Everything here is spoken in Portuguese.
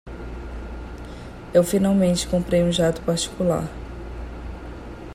Eu finalmente comprei um jato particular.